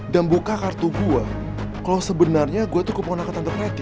dan buka kartu gue kalo sebenernya gue tuh kepengen ketan tante preti